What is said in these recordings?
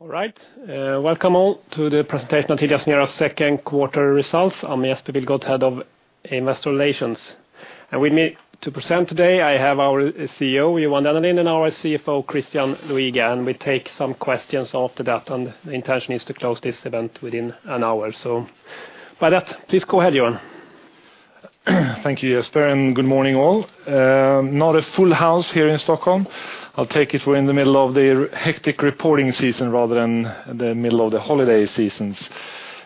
All right. Welcome all to the presentation of TeliaSonera's second quarter results. I'm Jesper Billgren, Head of Investor Relations. With me to present today, I have our CEO, Johan Dennelind, and our CFO, Christian Luiga. We'll take some questions after that. The intention is to close this event within an hour. With that, please go ahead, Johan. Thank you, Jesper. Good morning, all. Not a full house here in Stockholm. I'll take it we're in the middle of the hectic reporting season rather than the middle of the holiday seasons.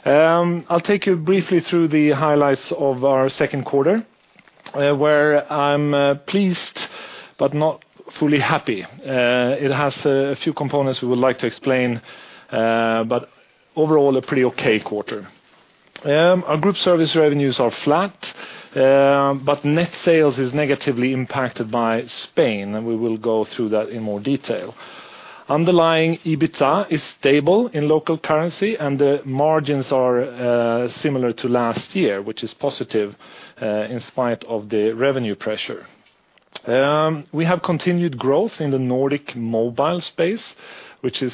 I'll take you briefly through the highlights of our second quarter, where I'm pleased, but not fully happy. It has a few components we would like to explain. Overall, a pretty okay quarter. Our group service revenues are flat. Net sales is negatively impacted by Spain, and we will go through that in more detail. Underlying EBITDA is stable in local currency. The margins are similar to last year, which is positive in spite of the revenue pressure. We have continued growth in the Nordic mobile space, which is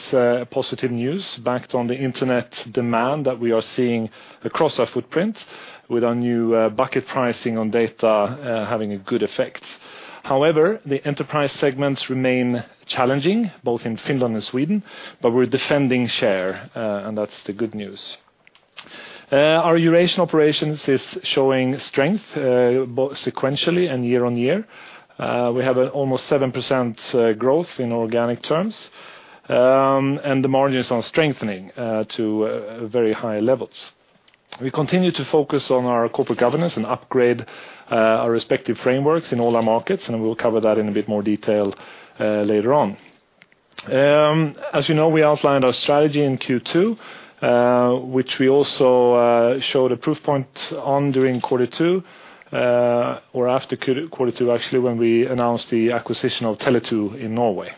positive news backed on the internet demand that we are seeing across our footprint with our new bucket pricing on data having a good effect. However, the enterprise segments remain challenging both in Finland and Sweden. We're defending share, and that's the good news. Our Eurasian operations is showing strength both sequentially and year-on-year. We have almost 7% growth in organic terms. The margins are strengthening to very high levels. We continue to focus on our corporate governance and upgrade our respective frameworks in all our markets. We'll cover that in a bit more detail later on. As you know, we outlined our strategy in Q2, which we also showed a proof point on during quarter two, or after quarter two, actually, when we announced the acquisition of Tele2 in Norway.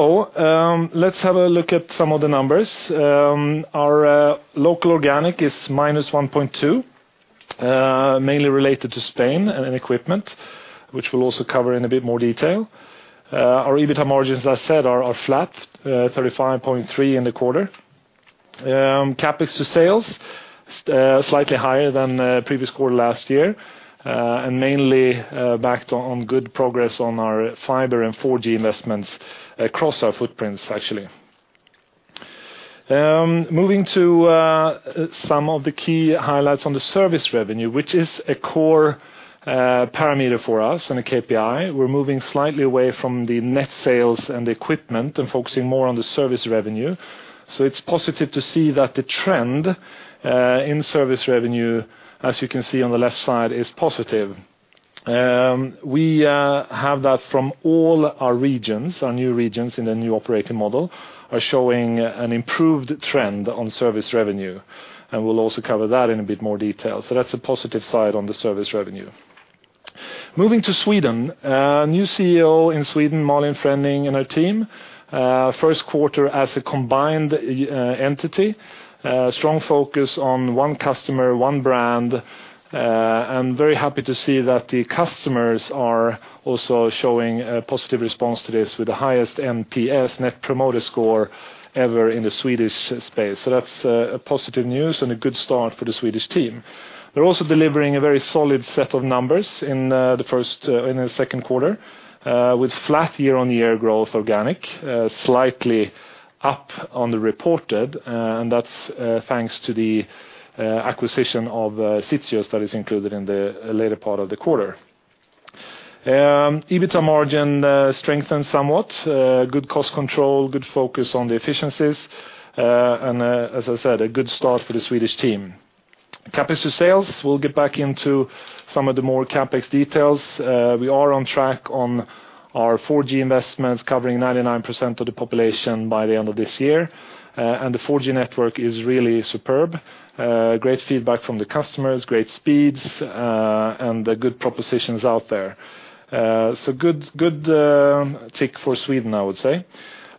Let's have a look at some of the numbers. Our local organic is -1.2, mainly related to Spain and equipment, which we'll also cover in a bit more detail. Our EBITDA margins, as I said, are flat, 35.3 in the quarter. CapEx to sales, slightly higher than the previous quarter last year, and mainly backed on good progress on our fiber and 4G investments across our footprints, actually. Moving to some of the key highlights on the service revenue, which is a core parameter for us, and a KPI. We're moving slightly away from the net sales and equipment and focusing more on the service revenue. It's positive to see that the trend in service revenue, as you can see on the left side, is positive. We have that from all our regions. Our new regions in the new operating model are showing an improved trend on service revenue. We'll also cover that in a bit more detail. That's a positive side on the service revenue. Moving to Sweden. A new CEO in Sweden, Malin Frenning, and her team. First quarter as a combined entity. Strong focus on one customer, one brand, and very happy to see that the customers are also showing a positive response to this with the highest NPS, net promoter score, ever in the Swedish space. That's positive news and a good start for the Swedish team. They're also delivering a very solid set of numbers in the second quarter, with flat year-on-year growth organic, slightly up on the reported, and that's thanks to the acquisition of Zitius that is included in the later part of the quarter. EBITDA margin strengthened somewhat. Good cost control, good focus on the efficiencies. As I said, a good start for the Swedish team. CapEx to sales, we'll get back into some of the more CapEx details. We are on track on our 4G investments, covering 99% of the population by the end of this year. The 4G network is really superb. Great feedback from the customers, great speeds, and good propositions out there. Good tick for Sweden, I would say.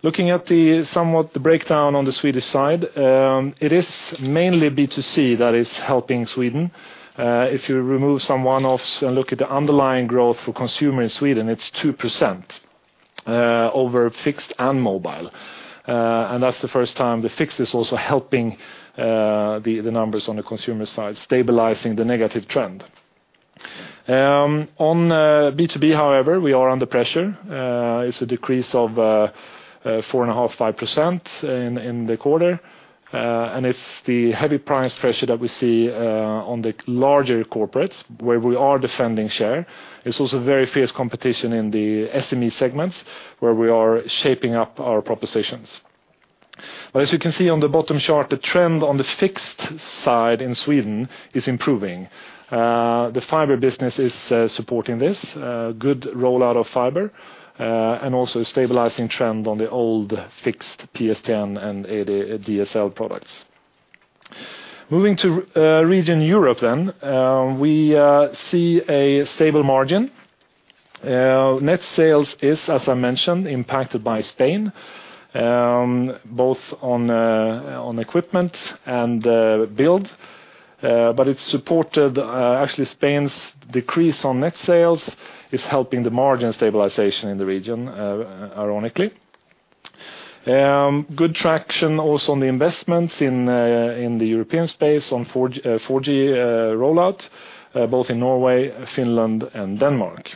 Looking at somewhat the breakdown on the Swedish side. It is mainly B2C that is helping Sweden. If you remove some one-offs and look at the underlying growth for consumer in Sweden, it's 2% over fixed and mobile. That's the first time the fixed is also helping the numbers on the consumer side, stabilizing the negative trend. On B2B, however, we are under pressure. It's a decrease of 4.5%, 5% in the quarter. It's the heavy price pressure that we see on the larger corporates where we are defending share. It's also very fierce competition in the SME segments, where we are shaping up our propositions. As you can see on the bottom chart, the trend on the fixed side in Sweden is improving. The fiber business is supporting this. A good rollout of fiber, and also stabilizing trend on the old fixed PSTN and ADSL products. Moving to Region Europe. We see a stable margin. Net sales is, as I mentioned, impacted by Spain, both on equipment and build. It's supported, actually, Spain's decrease on net sales is helping the margin stabilization in the region, ironically. Good traction also on the investments in the European space on 4G rollout, both in Norway, Finland, and Denmark.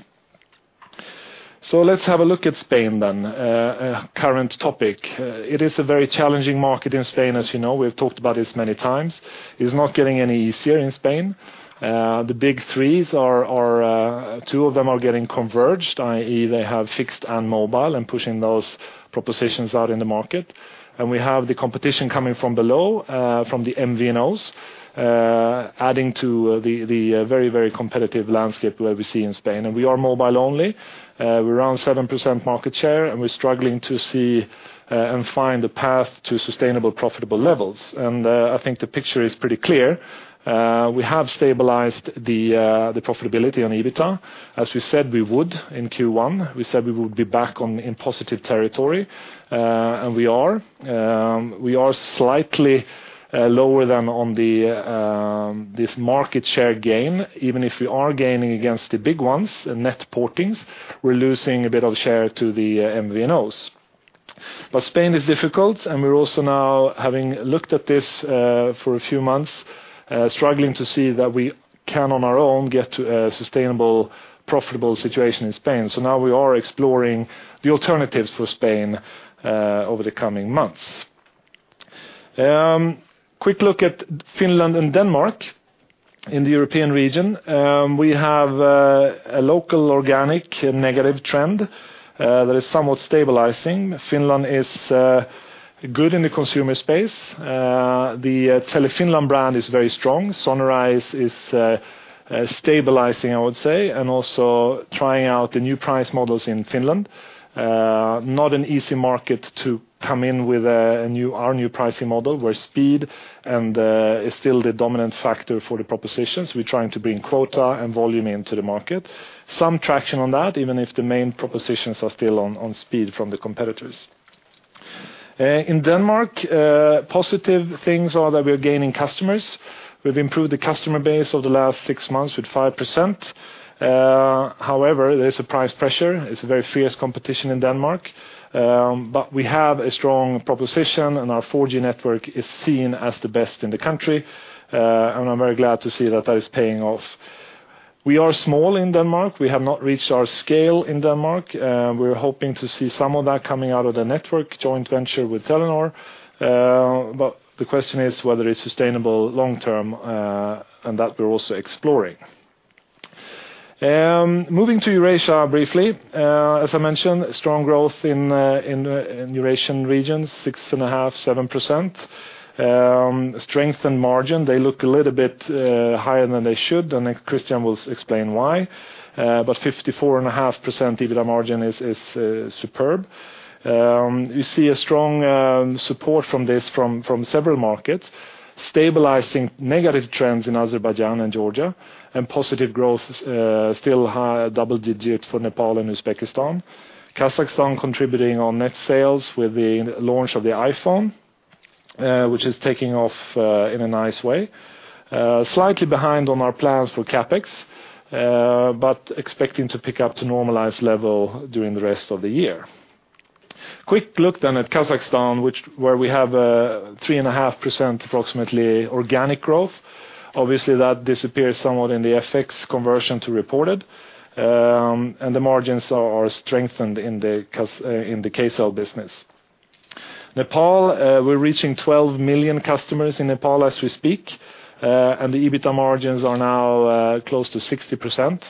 Let's have a look at Spain. A current topic. It is a very challenging market in Spain, as you know, we've talked about this many times. It's not getting any easier in Spain. The big threes, two of them are getting converged, i.e. they have fixed and mobile and pushing those propositions out in the market. We have the competition coming from below, from the MVNOs, adding to the very competitive landscape where we see in Spain. We are mobile only. We're around 7% market share, and we're struggling to see and find the path to sustainable profitable levels. I think the picture is pretty clear. We have stabilized the profitability on EBITDA, as we said we would in Q1. We said we would be back in positive territory, and we are. We are slightly lower than on this market share gain, even if we are gaining against the big ones, net portings, we're losing a bit of share to the MVNOs. Spain is difficult, and we're also now, having looked at this for a few months, struggling to see that we can, on our own, get to a sustainable, profitable situation in Spain. Now we are exploring the alternatives for Spain over the coming months. Quick look at Finland and Denmark in the European region. We have a local organic negative trend that is somewhat stabilizing. Finland is good in the consumer space. The Tele Finland brand is very strong. Sonera is stabilizing, I would say, and also trying out the new price models in Finland. Not an easy market to come in with our new pricing model, where speed is still the dominant factor for the propositions. We're trying to bring quota and volume into the market. Some traction on that, even if the main propositions are still on speed from the competitors. In Denmark, positive things are that we're gaining customers. We've improved the customer base over the last six months with 5%. However, there's a price pressure. It's a very fierce competition in Denmark. We have a strong proposition, and our 4G network is seen as the best in the country. I'm very glad to see that that is paying off. We are small in Denmark. We have not reached our scale in Denmark. We're hoping to see some of that coming out of the network joint venture with Telenor. The question is whether it's sustainable long-term, and that we're also exploring. Moving to Eurasia briefly. As I mentioned, strong growth in Eurasian region, 6.5, 7%. Strength in margin. They look a little bit higher than they should, and Christian will explain why. 54.5% EBITDA margin is superb. You see a strong support from this from several markets, stabilizing negative trends in Azerbaijan and Georgia, and positive growth still high double digits for Nepal and Uzbekistan. Kazakhstan contributing on net sales with the launch of the iPhone, which is taking off in a nice way. Slightly behind on our plans for CapEx, but expecting to pick up to normalized level during the rest of the year. Quick look at Kazakhstan, where we have 3.5% approximately organic growth. Obviously, that disappears somewhat in the FX conversion to reported, and the margins are strengthened in the Kcell business. Nepal, we're reaching 12 million customers in Nepal as we speak, and the EBITDA margins are now close to 60%,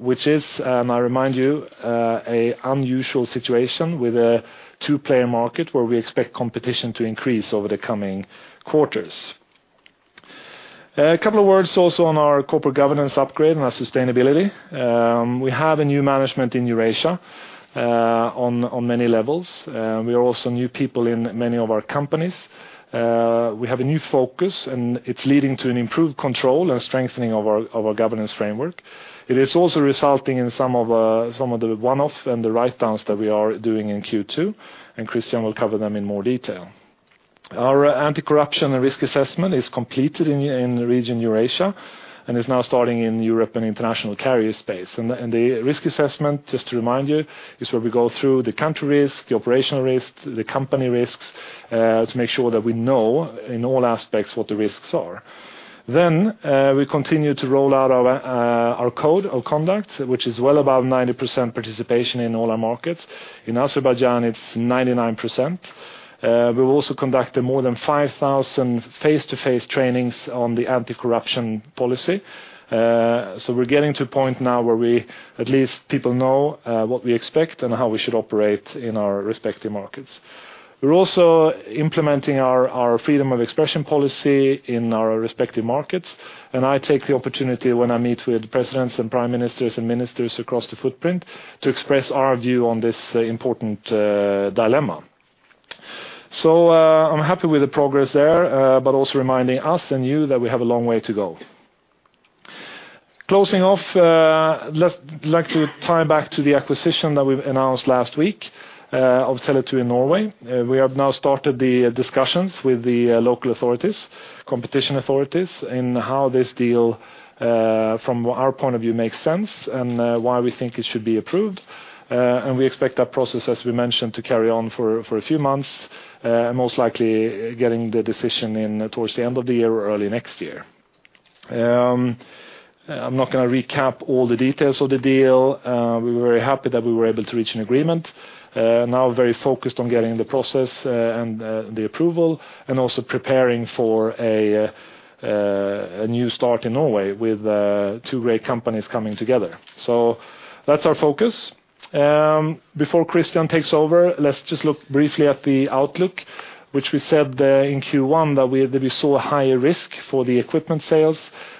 which is, may I remind you, an unusual situation with a two-player market where we expect competition to increase over the coming quarters. A couple of words also on our corporate governance upgrade and our sustainability. We have a new management in Eurasia on many levels. We are also new people in many of our companies. We have a new focus, and it's leading to an improved control and strengthening of our governance framework. It is also resulting in some of the one-off and the write-downs that we are doing in Q2, and Christian will cover them in more detail. Our anti-corruption and risk assessment is completed in the region Eurasia, and is now starting in the Europe and international carrier space. The risk assessment, just to remind you, is where we go through the country risk, the operational risk, the company risks to make sure that we know in all aspects what the risks are. We continue to roll out our code of conduct, which is well above 90% participation in all our markets. In Azerbaijan, it's 99%. We've also conducted more than 5,000 face-to-face trainings on the anti-corruption policy. We're getting to a point now where at least people know what we expect and how we should operate in our respective markets. We're also implementing our freedom of expression policy in our respective markets, I take the opportunity when I meet with presidents and prime ministers and ministers across the footprint to express our view on this important dilemma. I'm happy with the progress there, also reminding us and you that we have a long way to go. Closing off, I'd like to tie back to the acquisition that we announced last week of Tele2 in Norway. We have now started the discussions with the local authorities, competition authorities, in how this deal from our point of view makes sense, and why we think it should be approved. We expect that process, as we mentioned, to carry on for a few months, most likely getting the decision towards the end of the year or early next year. I'm not going to recap all the details of the deal. We're very happy that we were able to reach an agreement. Now very focused on getting the process and the approval, also preparing for a new start in Norway with two great companies coming together. That's our focus. Before Christian takes over, let's just look briefly at the outlook, which we said in Q1 that we saw a higher risk for the equipment sales.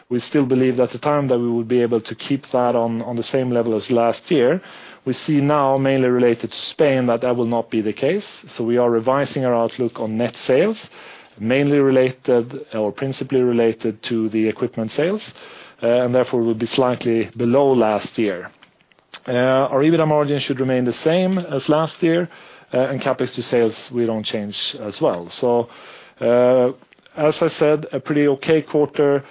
We still believed at the time that we would be able to keep that on the same level as last year. We see now, mainly related to Spain, that that will not be the case. We are revising our outlook on net sales, mainly related or principally related to the equipment sales. Therefore, will be slightly below last year. Our EBITDA margin should remain the same as last year, CapEx to sales we don't change as well. As I said, a pretty okay quarter,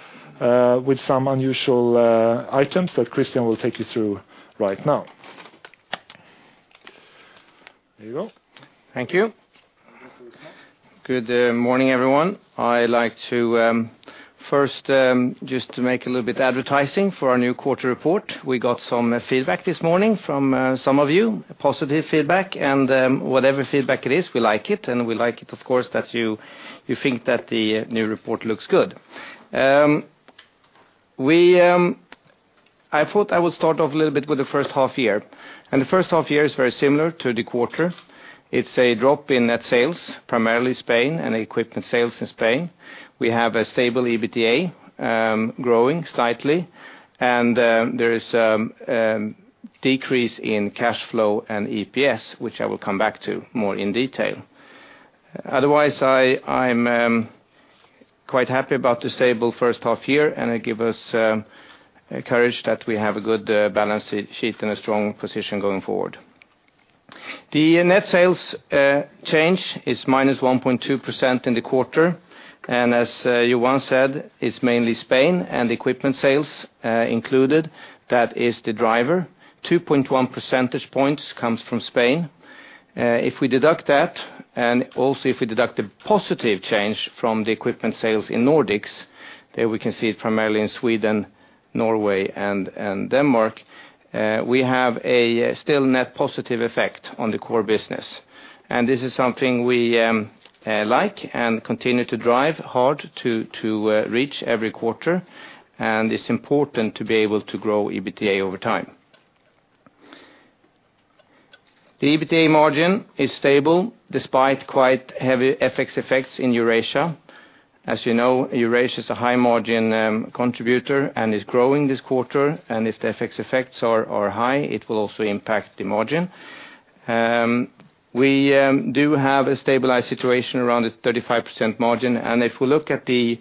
with some unusual items that Christian will take you through right now. There you go. Thank you. Good morning, everyone. I'd like to first just to make a little bit advertising for our new quarter report. We got some feedback this morning from some of you, positive feedback, whatever feedback it is, we like it, we like it, of course, that you think that the new report looks good. I thought I would start off a little bit with the first half year, the first half year is very similar to the quarter. It's a drop in net sales, primarily Spain and equipment sales in Spain. We have a stable EBITDA, growing slightly, there is a decrease in cash flow and EPS, which I will come back to more in detail. I'm quite happy about the stable first half year, it give us courage that we have a good balance sheet and a strong position going forward. The net sales change is -1.2% in the quarter, as Johan said, it's mainly Spain and equipment sales included. That is the driver. 2.1 percentage points comes from Spain. If we deduct that, also if we deduct the positive change from the equipment sales in Nordics, there we can see it primarily in Sweden, Norway, and Denmark. We have a still net positive effect on the core business. This is something we like and continue to drive hard to reach every quarter. It's important to be able to grow EBITDA over time. The EBITDA margin is stable despite quite heavy FX effects in Eurasia. As you know, Eurasia is a high-margin contributor and is growing this quarter. If the FX effects are high, it will also impact the margin. We do have a stabilized situation around a 35% margin, if we look at the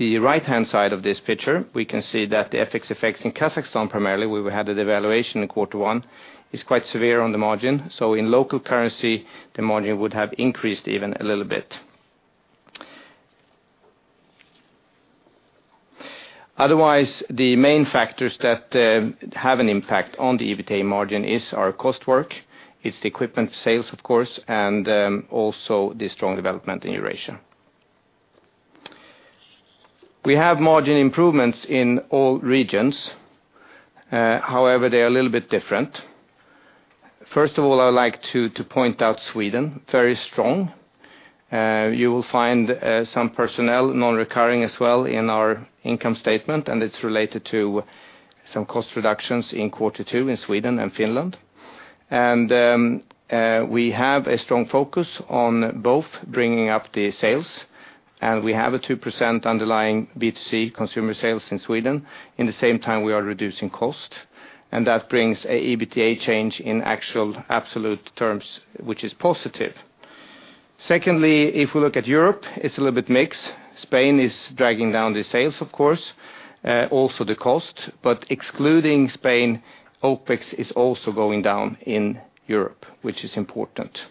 right-hand side of this picture, we can see that the FX effects in Kazakhstan, primarily, where we had a devaluation in quarter one, is quite severe on the margin. So in local currency, the margin would have increased even a little bit. Otherwise, the main factors that have an impact on the EBITDA margin is our cost work. It's the equipment sales, of course, also the strong development in Eurasia. We have margin improvements in all regions. However, they are a little bit different. First of all, I would like to point out Sweden. Very strong. You will find some personnel non-recurring as well in our income statement, it's related to some cost reductions in quarter two in Sweden and Finland. We have a strong focus on both bringing up the sales, and we have a 2% underlying B2C consumer sales in Sweden. In the same time, we are reducing cost, that brings a EBITDA change in actual absolute terms, which is positive. Secondly, if we look at Europe, it's a little bit mixed. Spain is dragging down the sales, of course. Also the cost. Excluding Spain, OpEx is also going down in Europe, which is important.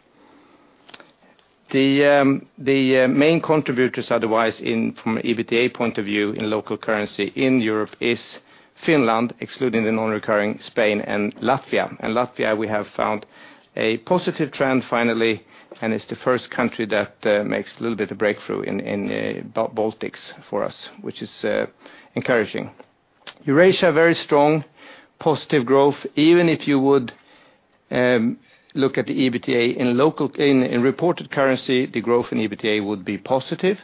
The main contributors otherwise from an EBITDA point of view in local currency in Europe is Finland, excluding the non-recurring Spain and Latvia. In Latvia, we have found a positive trend finally, it's the first country that makes a little bit of breakthrough in Baltics for us, which is encouraging. Eurasia, very strong, positive growth. Even if you would look at the EBITDA in reported currency, the growth in EBITDA would be positive,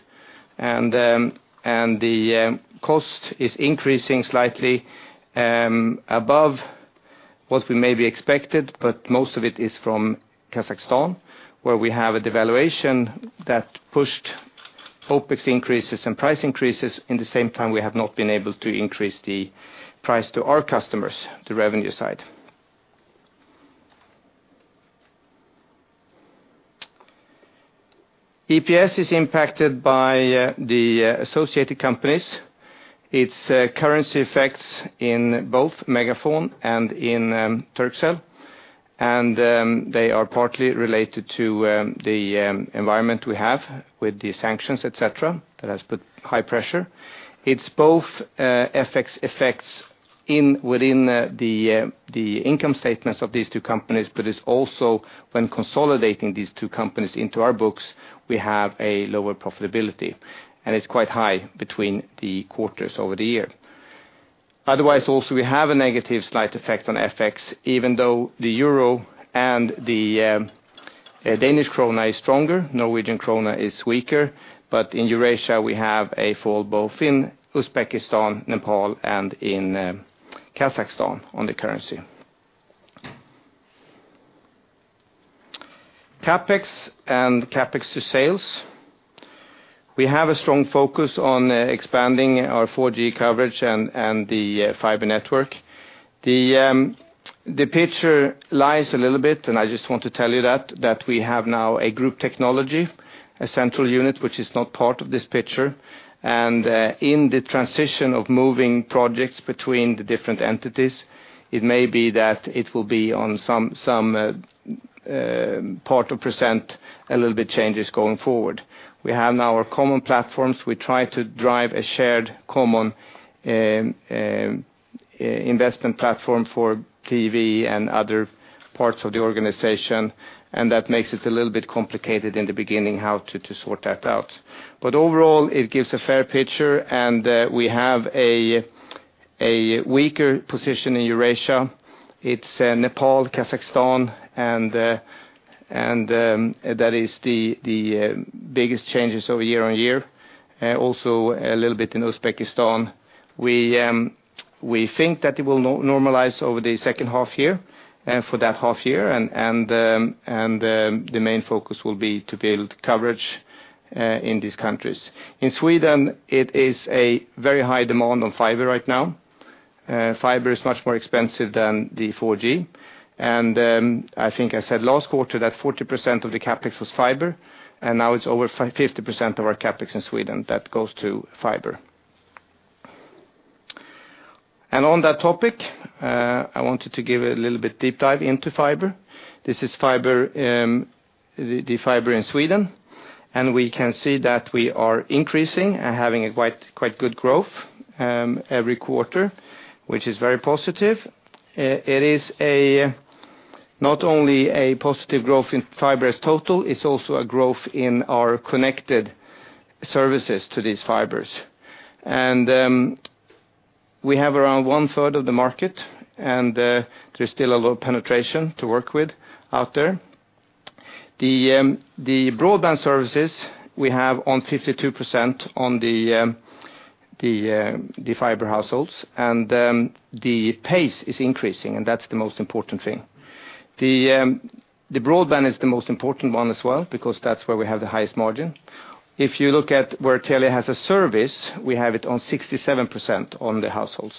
the cost is increasing slightly above what we maybe expected, most of it is from Kazakhstan, where we have a devaluation that pushed OpEx increases and price increases. In the same time, we have not been able to increase the price to our customers, the revenue side. EPS is impacted by the associated companies. It's currency effects in both MegaFon and in Turkcell. They are partly related to the environment we have with the sanctions, et cetera, that has put high pressure. It's both effects within the income statements of these two companies, it's also when consolidating these two companies into our books, we have a lower profitability, it's quite high between the quarters over the year. Otherwise, also we have a negative slight effect on FX, even though the euro and the Danish krone is stronger, Norwegian krone is weaker, but in Eurasia, we have a fall both in Uzbekistan, Nepal, and in Kazakhstan on the currency. CapEx and CapEx to sales. We have a strong focus on expanding our 4G coverage and the fiber network. The picture lies a little bit, and I just want to tell you that we have now a group technology, a central unit, which is not part of this picture. In the transition of moving projects between the different entities, it may be that it will be on some part or percent, a little bit changes going forward. We have now our common platforms. We try to drive a shared common investment platform for TV and other parts of the organization, that makes it a little bit complicated in the beginning how to sort that out. Overall, it gives a fair picture, and we have a weaker position in Eurasia. It's Nepal, Kazakhstan, and that is the biggest changes over year-over-year. Also a little bit in Uzbekistan. We think that it will normalize over the second half year, for that half year, and the main focus will be to build coverage in these countries. In Sweden, it is a very high demand on fiber right now. Fiber is much more expensive than the 4G. I think I said last quarter that 40% of the CapEx was fiber, and now it's over 50% of our CapEx in Sweden that goes to fiber. On that topic, I wanted to give a little bit deep dive into fiber. This is the fiber in Sweden, we can see that we are increasing and having a quite good growth every quarter, which is very positive. It is not only a positive growth in fiber as total, it's also a growth in our connected services to these fibers. We have around one third of the market, and there's still a low penetration to work with out there. The broadband services we have on 52% on the fiber households, and the pace is increasing, and that's the most important thing. The broadband is the most important one as well, because that's where we have the highest margin. If you look at where Telia has a service, we have it on 67% on the households.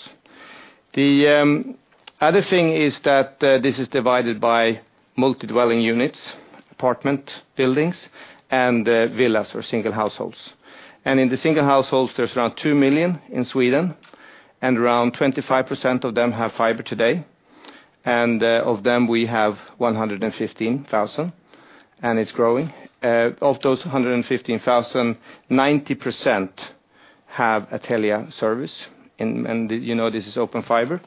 The other thing is that this is divided by multi-dwelling units, apartment buildings, and villas or single households. In the single households, there's around 2 million in Sweden, and around 25% of them have fiber today. Of them, we have 115,000, and it's growing. Of those 115,000, 90% have a Telia service, and you know this is open fiber,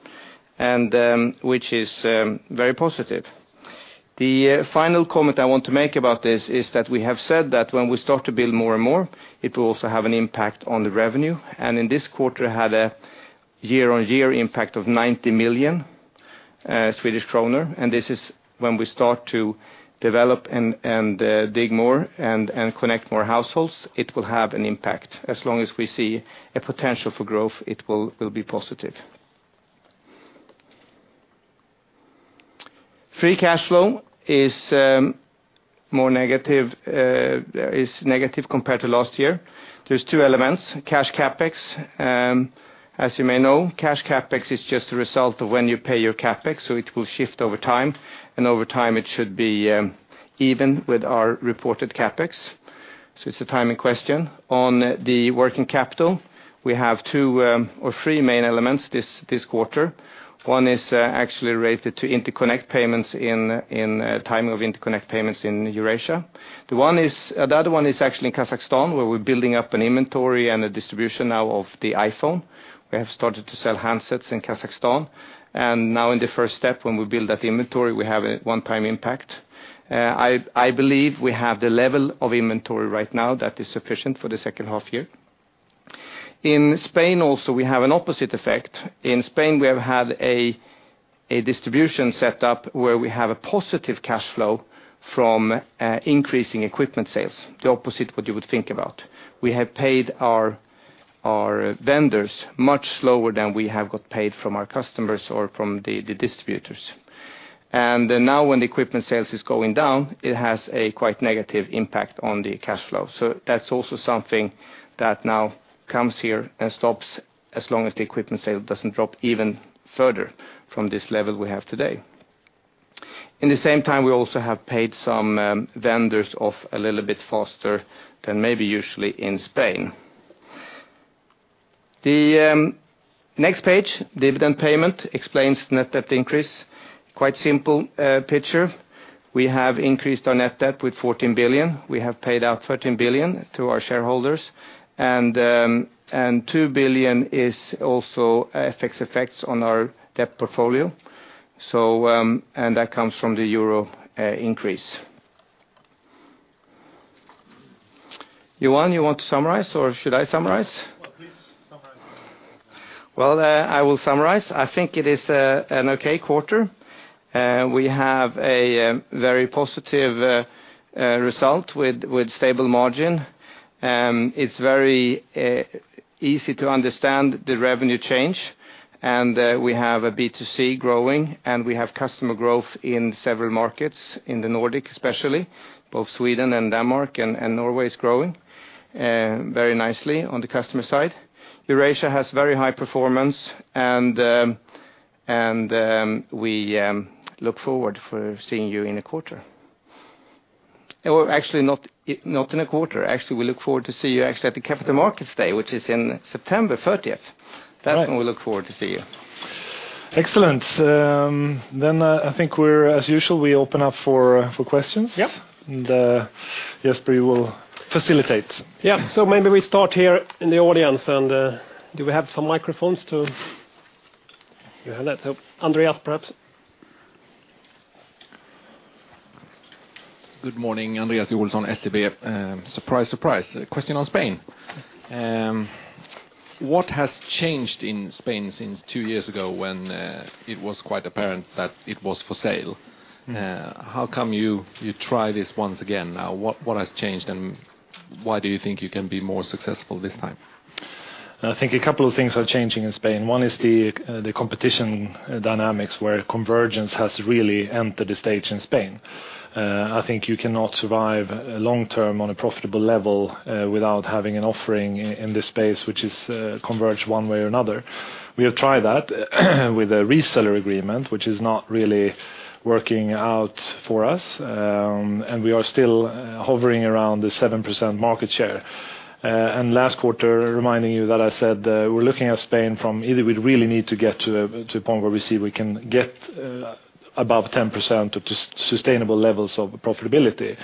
which is very positive. The final comment I want to make about this is that we have said that when we start to build more and more, it will also have an impact on the revenue. In this quarter, had a year-over-year impact of 90 million Swedish kronor, and this is when we start to develop and dig more and connect more households, it will have an impact. As long as we see a potential for growth, it will be positive. Free cash flow is negative compared to last year. There's two elements, cash CapEx. As you may know, cash CapEx is just a result of when you pay your CapEx, so it will shift over time, and over time it should be even with our reported CapEx. It's a timing question. On the working capital, we have two or three main elements this quarter. One is actually related to interconnect payments in timing of interconnect payments in Eurasia. The other one is actually in Kazakhstan, where we're building up an inventory and a distribution now of the iPhone. We have started to sell handsets in Kazakhstan. Now in the first step, when we build that inventory, we have a one-time impact. I believe we have the level of inventory right now that is sufficient for the second half year. In Spain also, we have an opposite effect. In Spain, we have had a distribution set up where we have a positive cash flow from increasing equipment sales, the opposite what you would think about. We have paid our vendors much slower than we have got paid from our customers or from the distributors. Now when the equipment sales is going down, it has a quite negative impact on the cash flow. That's also something that now comes here and stops as long as the equipment sale doesn't drop even further from this level we have today. In the same time, we also have paid some vendors off a little bit faster than maybe usually in Spain. The next page, dividend payment explains net debt increase. Quite simple picture. We have increased our net debt with 14 billion. We have paid out 13 billion to our shareholders, and 2 billion is also FX effects on our debt portfolio, and that comes from the euro increase. Johan, you want to summarize, or should I summarize? Please summarize. Well, I will summarize. I think it is an okay quarter. We have a very positive result with stable margin. It is very easy to understand the revenue change, and we have B2C growing, and we have customer growth in several markets in the Nordic, especially both Sweden and Denmark, and Norway is growing very nicely on the customer side. Eurasia has very high performance, and we look forward for seeing you in a quarter. Well, actually, not in a quarter. Actually, we look forward to seeing you actually at the Capital Markets Day, which is in September 30th. Right. That is when we look forward to see you. Excellent. I think as usual, we open up for questions. Yeah. Jesper will facilitate. Maybe we start here in the audience, and do we have some microphones too? You have. Let's hope. Andreas, perhaps. Good morning. Andreas Olsson, SEB. Surprise. A question on Spain. What has changed in Spain since two years ago when it was quite apparent that it was for sale? How come you try this once again now? What has changed, and why do you think you can be more successful this time? I think a couple of things are changing in Spain. One is the competition dynamics where convergence has really entered the stage in Spain. I think you cannot survive long-term on a profitable level without having an offering in this space, which is converged one way or another. We have tried that with a reseller agreement, which is not really working out for us. We are still hovering around the 7% market share. Last quarter, reminding you that I said we're looking at Spain from either we'd really need to get to a point where we see we can get above 10% to sustainable levels of profitability,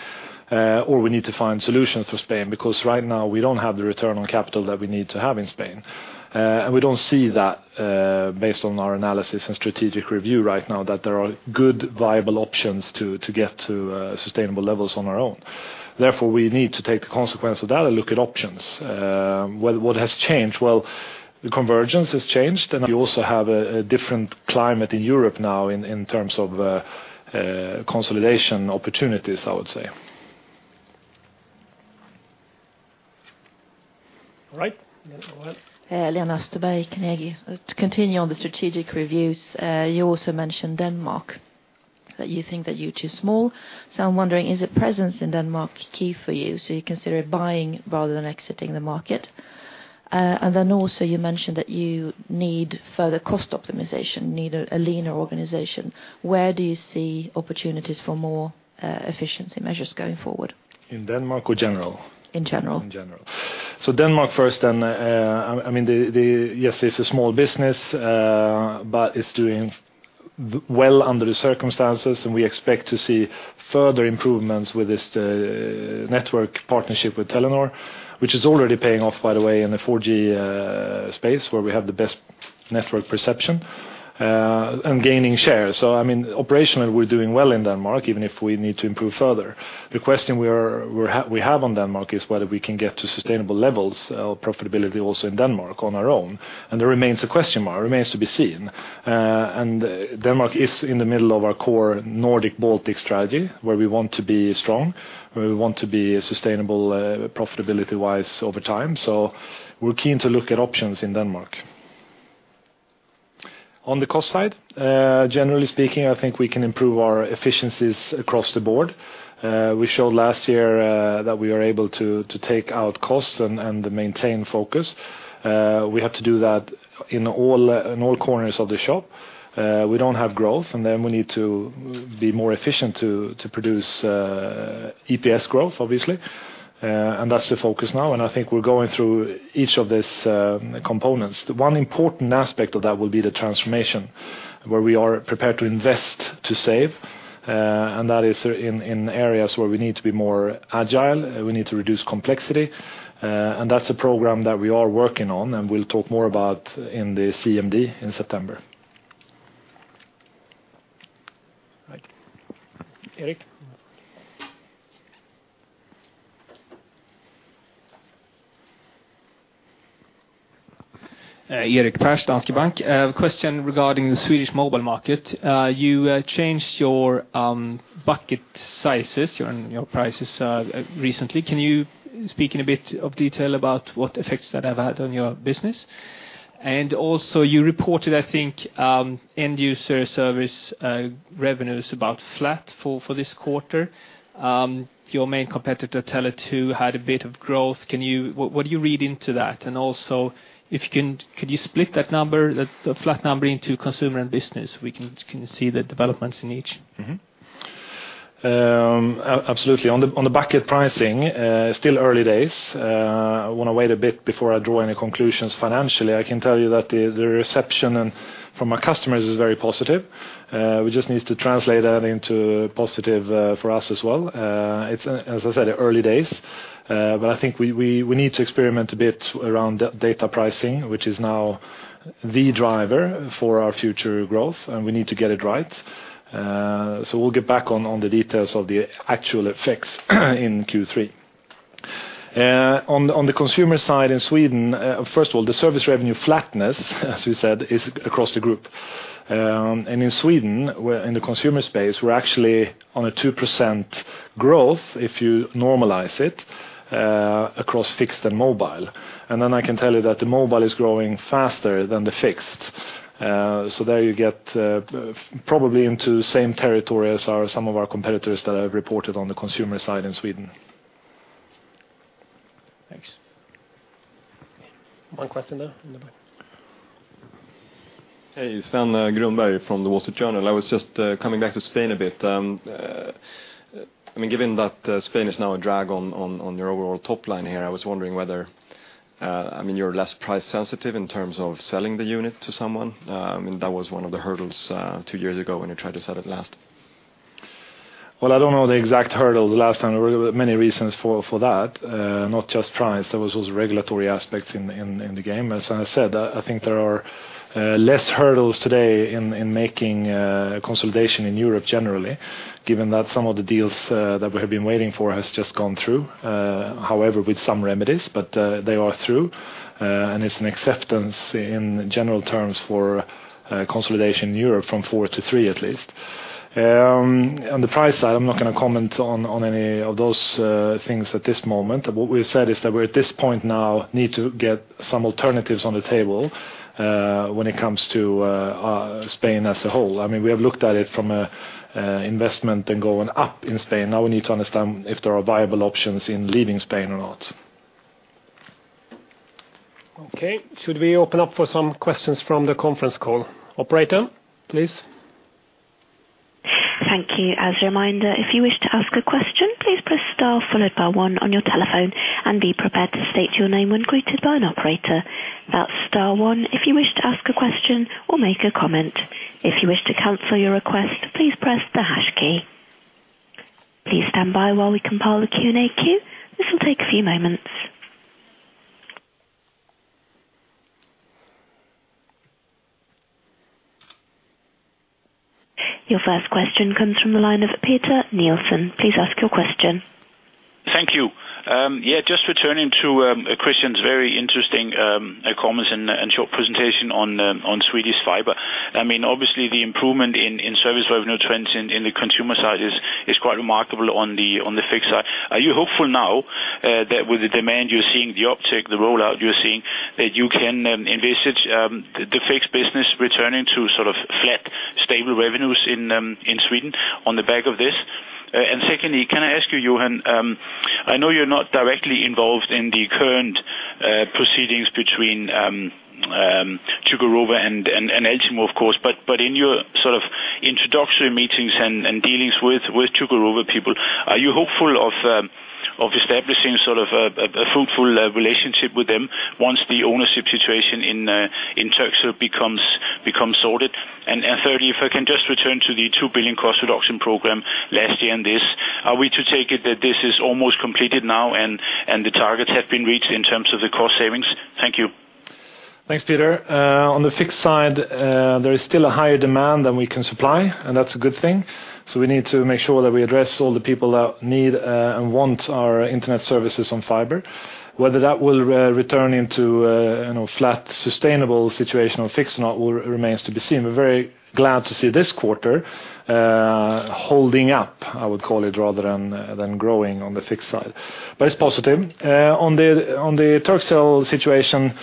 or we need to find solutions for Spain, because right now we don't have the return on capital that we need to have in Spain. We don't see that based on our analysis and strategic review right now, that there are good viable options to get to sustainable levels on our own. Therefore, we need to take the consequence of that and look at options. What has changed? Well, the convergence has changed, and we also have a different climate in Europe now in terms of consolidation opportunities, I would say. All right. Lena Österberg, Carnegie. To continue on the strategic reviews, you also mentioned Denmark, that you think that you're too small. I'm wondering, is a presence in Denmark key for you, so you consider buying rather than exiting the market? You also mentioned that you need further cost optimization, need a leaner organization. Where do you see opportunities for more efficiency measures going forward? In Denmark or general? In general. Denmark first, yes, it's a small business, but it's doing well under the circumstances, and we expect to see further improvements with this network partnership with Telenor, which is already paying off, by the way, in the 4G space where we have the best network perception, and gaining share. Operationally, we're doing well in Denmark, even if we need to improve further. The question we have on Denmark is whether we can get to sustainable levels of profitability also in Denmark on our own. There remains a question mark, remains to be seen. Denmark is in the middle of our core Nordic-Baltic strategy, where we want to be strong, where we want to be sustainable profitability-wise over time. We're keen to look at options in Denmark. On the cost side, generally speaking, I think we can improve our efficiencies across the board. We showed last year that we are able to take out costs and maintain focus. We have to do that in all corners of the shop. We don't have growth, then we need to be more efficient to produce EPS growth, obviously. That's the focus now, and I think we're going through each of these components. The one important aspect of that will be the transformation, where we are prepared to invest, to save, and that is in areas where we need to be more agile, we need to reduce complexity. That's a program that we are working on, and we'll talk more about in the CMD in September. Right. Erik. Erik Pers, Danske Bank. Question regarding the Swedish mobile market. You changed your bucket sizes and your prices recently. Can you speak in a bit of detail about what effects that have had on your business? Also you reported, I think end user service revenues about flat for this quarter. Your main competitor, Tele2, had a bit of growth. What do you read into that? Also if you can, could you split that number, that flat number into consumer and business? We can see the developments in each. Absolutely. On the bucket pricing, still early days. I want to wait a bit before I draw any conclusions financially. I can tell you that the reception from our customers is very positive. We just need to translate that into positive for us as well. It's, as I said, early days, but I think we need to experiment a bit around data pricing, which is now the driver for our future growth, and we need to get it right. We'll get back on the details of the actual effects in Q3. On the consumer side in Sweden, first of all, the service revenue flatness, as we said, is across the group. In Sweden, in the consumer space, we're actually on a 2% growth if you normalize it across fixed and mobile. Then I can tell you that the mobile is growing faster than the fixed. There you get probably into the same territory as are some of our competitors that have reported on the consumer side in Sweden. Thanks. One question there in the back. Hey, Sven Grundberg from The Wall Street Journal. I was just coming back to Spain a bit. Given that Spain is now a drag on your overall top line here, I was wondering whether you're less price-sensitive in terms of selling the unit to someone. That was one of the hurdles two years ago when you tried to sell it last. Well, I don't know the exact hurdle the last time. There were many reasons for that, not just price. There were regulatory aspects in the game. As I said, I think there are less hurdles today in making a consolidation in Europe generally, given that some of the deals that we have been waiting for has just gone through. However, with some remedies, but they are through, and it's an acceptance in general terms for consolidation in Europe from four to three at least. On the price side, I'm not going to comment on any of those things at this moment. What we've said is that we're at this point now need to get some alternatives on the table when it comes to Spain as a whole. We have looked at it from an investment and going up in Spain. We need to understand if there are viable options in leaving Spain or not. Okay. Should we open up for some questions from the conference call? Operator, please. Thank you. As a reminder, if you wish to ask a question, please press star followed by one on your telephone and be prepared to state your name when greeted by an operator. That's star one if you wish to ask a question or make a comment. If you wish to cancel your request, please press the hash key. Please stand by while we compile the Q&A queue. This will take a few moments. Your first question comes from the line of Peter Nielsen. Please ask your question. Thank you. Just returning to Christian's very interesting comments and short presentation on Swedish fiber. Obviously, the improvement in service revenue trends in the consumer side is quite remarkable on the fixed side. Are you hopeful now that with the demand you're seeing, the uptick, the rollout you're seeing, that you can envisage the fixed business returning to sort of flat, stable revenues in Sweden on the back of this? Secondly, can I ask you, Johan, I know you're not directly involved in the current proceedings between Turkcell and Telia, of course, but in your sort of introductory meetings and dealings with Turkcell people, are you hopeful of establishing sort of a fruitful relationship with them once the ownership situation in Turkcell becomes sorted? Thirdly, if I can just return to the 2 billion cost reduction program last year and this. Are we to take it that this is almost completed now and the targets have been reached in terms of the cost savings? Thank you. Thanks, Peter. On the fixed side, there is still a higher demand than we can supply, and that's a good thing. We need to make sure that we address all the people that need and want our internet services on fiber. Whether that will return into a flat, sustainable situation on fixed or not remains to be seen. We're very glad to see this quarter holding up, I would call it, rather than growing on the fixed side. It's positive. On the Turkcell situation,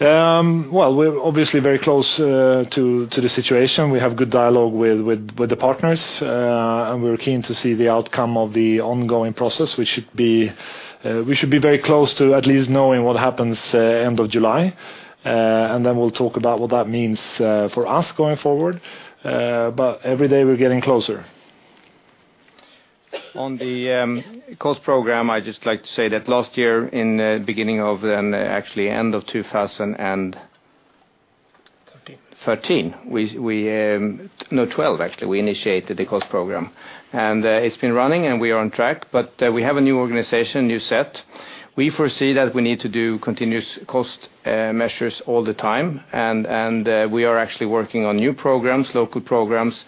we're obviously very close to the situation. We have good dialogue with the partners, and we're keen to see the outcome of the ongoing process. We should be very close to at least knowing what happens end of July, then we'll talk about what that means for us going forward. Every day we're getting closer. On the cost program, I'd just like to say that last year in beginning of, actually end of 2012, we initiated the cost program. It's been running, we are on track, we have a new organization, a new set. We foresee that we need to do continuous cost measures all the time, we are actually working on new programs, local programs.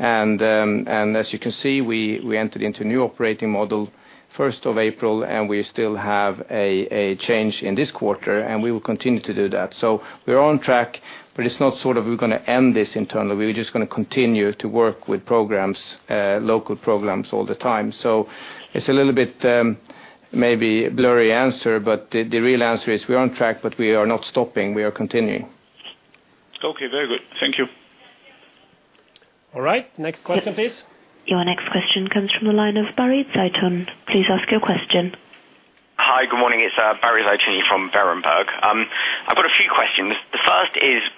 As you can see, we entered into a new operating model 1st of April, we still have a change in this quarter, we will continue to do that. We're on track, it's not sort of we're going to end this internally. We're just going to continue to work with programs, local programs all the time. It's a little bit maybe blurry answer, the real answer is we're on track, we are not stopping. We are continuing. Okay, very good. Thank you. All right. Next question, please. Your next question comes from the line of Barry Zeitoune. Please ask your question. Hi, good morning. It's Barry Zeitoune from Berenberg. I've got a few questions.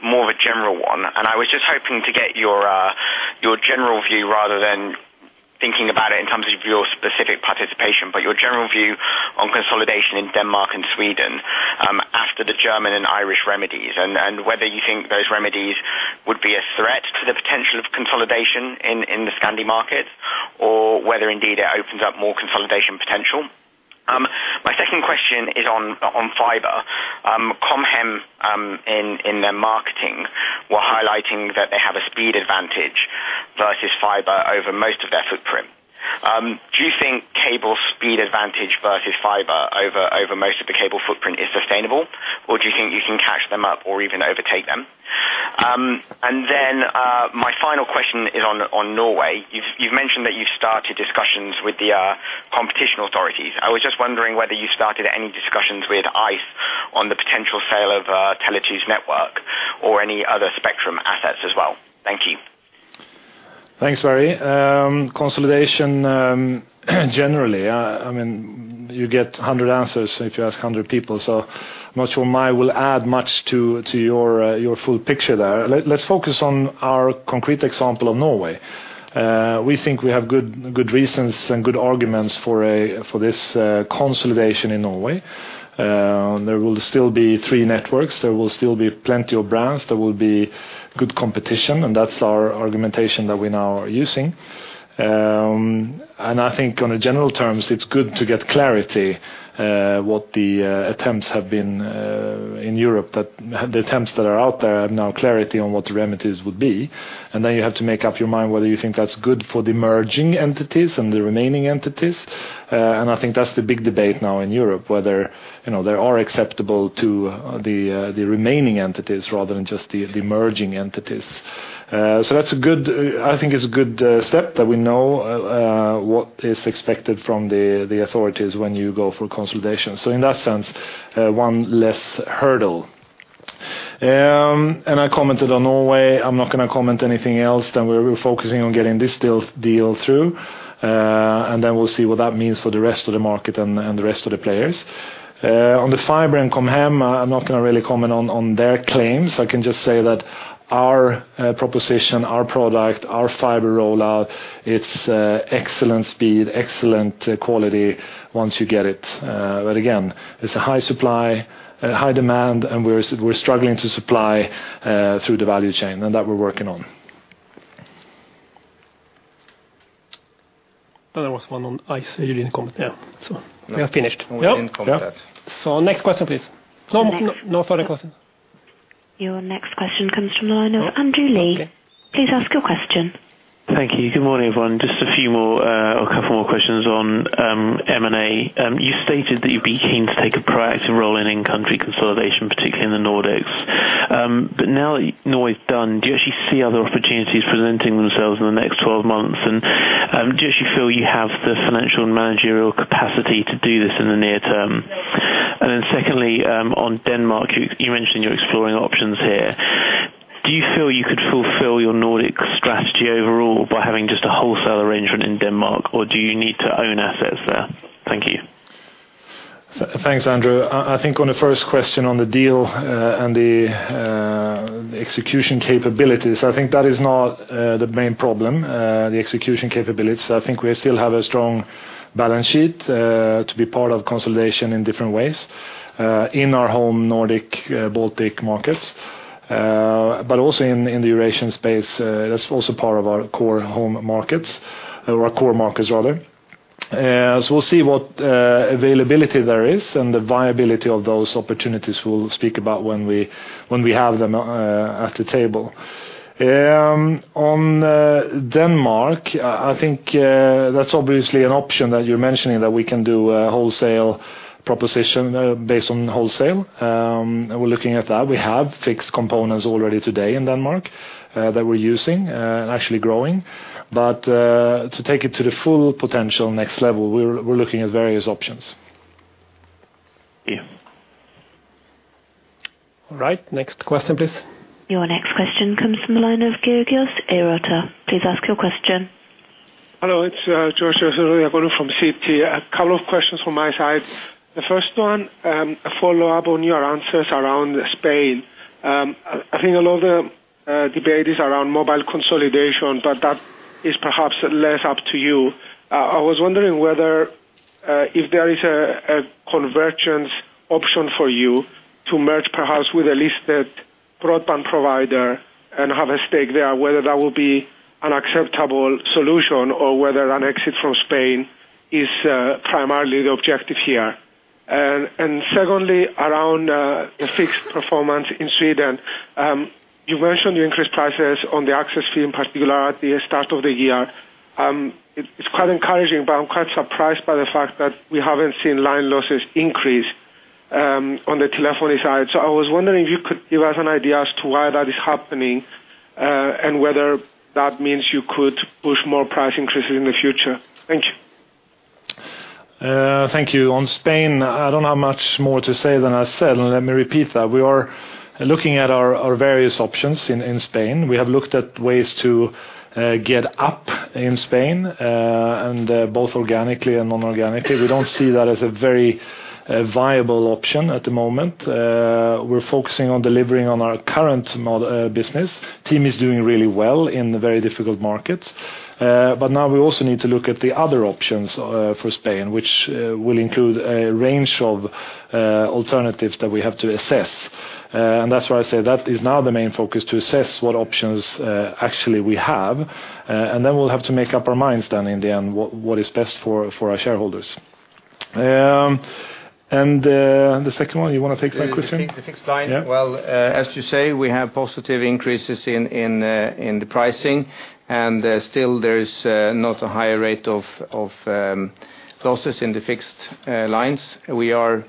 More of a general one. I was just hoping to get your general view rather than thinking about it in terms of your specific participation, but your general view on consolidation in Denmark and Sweden after the German and Irish remedies, and whether you think those remedies would be a threat to the potential of consolidation in the Scandi market or whether indeed it opens up more consolidation potential. My second question is on fiber. Com Hem, in their marketing, were highlighting that they have a speed advantage versus fiber over most of their footprint. Do you think cable speed advantage versus fiber over most of the cable footprint is sustainable, or do you think you can catch them up or even overtake them? My final question is on Norway. You've mentioned that you started discussions with the competition authorities. I was just wondering whether you started any discussions with ICE on the potential sale of Tele2's network or any other spectrum assets as well. Thank you. Thanks, Barry. Consolidation generally, you get 100 answers if you ask 100 people. I'm not sure mine will add much to your full picture there. Let's focus on our concrete example of Norway. We think we have good reasons and good arguments for this consolidation in Norway. There will still be three networks. There will still be plenty of brands. There will be good competition, and that's our argumentation that we now are using. I think on general terms, it's good to get clarity what the attempts have been in Europe, that the attempts that are out there have now clarity on what the remedies would be. You have to make up your mind whether you think that's good for the merging entities and the remaining entities. I think that's the big debate now in Europe, whether they are acceptable to the remaining entities rather than just the merging entities. I think it's a good step that we know what is expected from the authorities when you go for consolidation. In that sense, one less hurdle. I commented on Norway. I'm not going to comment anything else. We're focusing on getting this deal through, and then we'll see what that means for the rest of the market and the rest of the players. On the fiber and Com Hem, I'm not going to really comment on their claims. I can just say that our proposition, our product, our fiber rollout, it's excellent speed, excellent quality once you get it. Again, it's a high supply, high demand, and we're struggling to supply through the value chain, and that we're working on. There was one on Ice you didn't comment. Yeah. We are finished. Yeah. We didn't comment. Next question, please. No further questions. Your next question comes from the line of Andrew Lee. Please ask your question. Thank you. Good morning, everyone. Just a few more or a couple more questions on M&A. You stated that you'd be keen to take a proactive role in in-country consolidation, particularly in the Nordics. Now that Norway's done, do you actually see other opportunities presenting themselves in the next 12 months? Do you feel you have the financial and managerial capacity to do this in the near term? Secondly, on Denmark, you mentioned you're exploring options here. Do you feel you could fulfill your Nordic strategy overall by having just a wholesale arrangement in Denmark, or do you need to own assets there? Thank you. Thanks, Andrew. I think on the first question on the deal and the execution capabilities, I think that is not the main problem, the execution capabilities. I think we still have a strong balance sheet to be part of consolidation in different ways in our home Nordic-Baltic markets, but also in the Eurasian space. That's also part of our core home markets, or our core markets rather. We'll see what availability there is and the viability of those opportunities we'll speak about when we have them at the table. On Denmark, I think that's obviously an option that you're mentioning that we can do a wholesale proposition based on wholesale. We're looking at that. We have fixed components already today in Denmark that we're using and actually growing. To take it to the full potential next level, we're looking at various options. Yeah. All right. Next question, please. Your next question comes from the line of Georgios Ierodiaconou, please ask your question. Hello, it's Georgios Ierodiaconou from Citi. A couple of questions from my side. The first one, a follow-up on your answers around Spain. I think a lot of the debate is around mobile consolidation, but that is perhaps less up to you. I was wondering whether if there is a convergence option for you to merge perhaps with a listed broadband provider and have a stake there, whether that would be an acceptable solution or whether an exit from Spain is primarily the objective here. Secondly, around the fixed performance in Sweden. You mentioned you increased prices on the access fee, in particular at the start of the year. It's quite encouraging, but I'm quite surprised by the fact that we haven't seen line losses increase on the telephony side. I was wondering if you could give us an idea as to why that is happening, and whether that means you could push more price increases in the future. Thank you. Thank you. On Spain, I don't have much more to say than I said, and let me repeat that. We are looking at our various options in Spain. We have looked at ways to get up in Spain, both organically and non-organically. We don't see that as a very viable option at the moment. We're focusing on delivering on our current business. Team is doing really well in very difficult markets. Now we also need to look at the other options for Spain, which will include a range of alternatives that we have to assess. That's why I say that is now the main focus, to assess what options actually we have, and then we'll have to make up our minds then in the end, what is best for our shareholders. The second one, you want to take that question? The fixed line? Yeah. As you say, we have positive increases in the pricing, and still there is not a higher rate of losses in the fixed lines. We are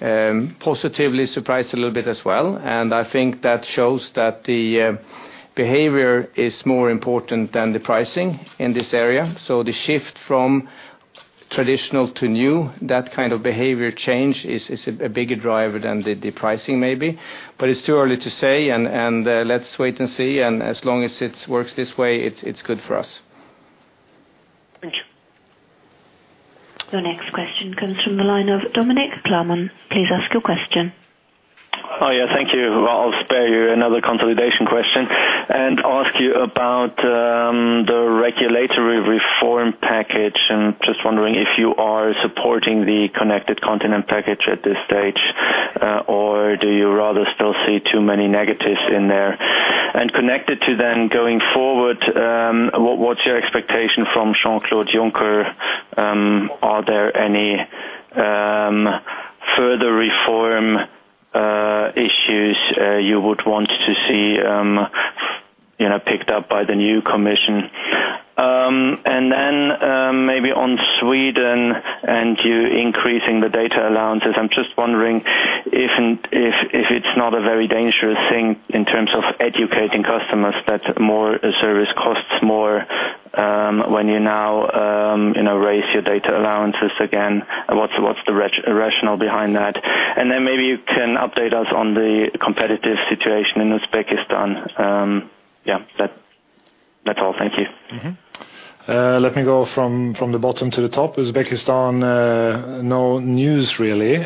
positively surprised a little bit as well, and I think that shows that the behavior is more important than the pricing in this area. The shift from traditional to new, that kind of behavior change is a bigger driver than the pricing maybe, but it's too early to say and let's wait and see, and as long as it works this way, it's good for us. Thank you. Your next question comes from the line of Dominik Klarmann. Please ask your question. Thank you. I'll spare you another consolidation question and ask you about the regulatory reform package. Just wondering if you are supporting the Connected Continent package at this stage, or do you rather still see too many negatives in there? Connected to then going forward, what's your expectation from Jean-Claude Juncker? Are there any further reform issues you would want to see picked up by the new commission? Then maybe on Sweden and you increasing the data allowances. I'm just wondering if it's not a very dangerous thing in terms of educating customers that more service costs more, when you now raise your data allowances again. What's the rationale behind that? Then maybe you can update us on the competitive situation in Uzbekistan. That's all. Thank you. Let me go from the bottom to the top. Uzbekistan, no news really,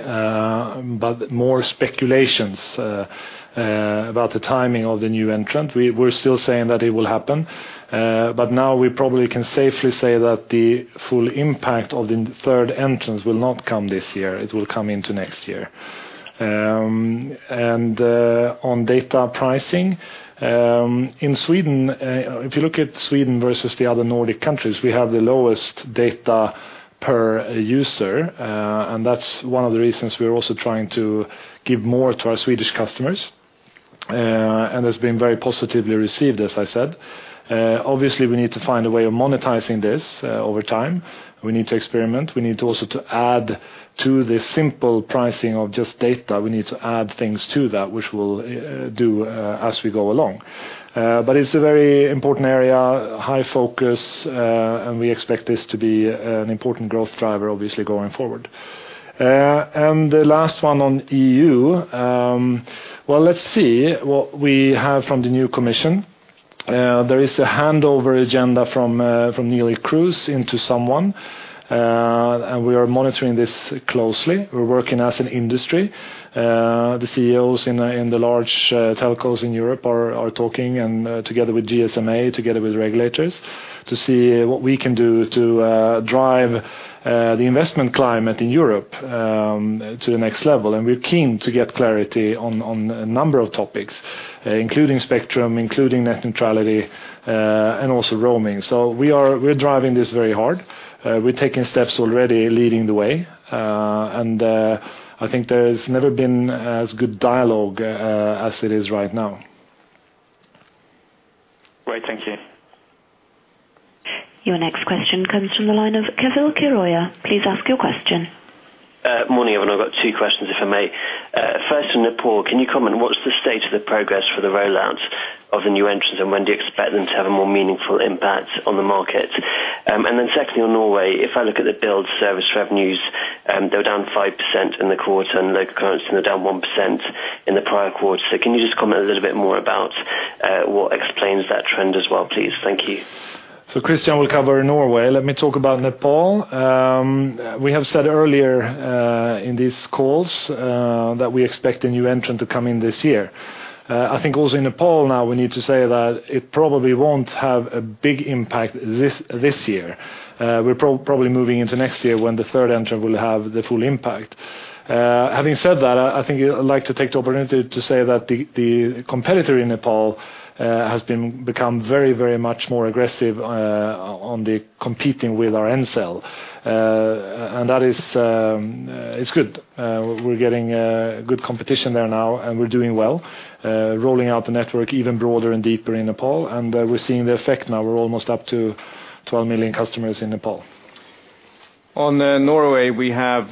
but more speculations about the timing of the new entrant. We're still saying that it will happen. Now we probably can safely say that the full impact of the third entrance will not come this year. It will come into next year. On data pricing, if you look at Sweden versus the other Nordic countries, we have the lowest data per user. That's one of the reasons we're also trying to give more to our Swedish customers. That's been very positively received, as I said. Obviously, we need to find a way of monetizing this over time. We need to experiment. We need to also add to the simple pricing of just data. We need to add things to that, which we'll do as we go along. It's a very important area, high focus, and we expect this to be an important growth driver, obviously, going forward. The last one on EU. Well, let's see what we have from the new commission. There is a handover agenda from Neelie Kroes into someone. We are monitoring this closely. We're working as an industry. The CEOs in the large telcos in Europe are talking and together with GSMA, together with regulators to see what we can do to drive the investment climate in Europe to the next level. We're keen to get clarity on a number of topics, including spectrum, including net neutrality, and also roaming. We're driving this very hard. We're taking steps already leading the way. I think there's never been as good dialogue as it is right now. Great. Thank you. Your next question comes from the line of Kevin Akeroyd. Please ask your question. Morning, everyone. I've got two questions, if I may. First on Nepal, can you comment what's the state of the progress for the rollout of the new entrants, and when do you expect them to have a more meaningful impact on the market? Then secondly, on Norway, if I look at the billed service revenues, they're down 5% in the quarter, and local currency they're down 1% in the prior quarter. Can you just comment a little bit more about what explains that trend as well, please? Thank you. Christian will cover Norway. Let me talk about Nepal. We have said earlier in these calls that we expect a new entrant to come in this year. Also in Nepal now we need to say that it probably won't have a big impact this year. We're probably moving into next year when the third entrant will have the full impact. Having said that, I'd like to take the opportunity to say that the competitor in Nepal has become very much more aggressive on the competing with our Ncell. That is good. We're getting good competition there now, and we're doing well, rolling out the network even broader and deeper in Nepal, and we're seeing the effect now. We're almost up to 12 million customers in Nepal. On Norway, we have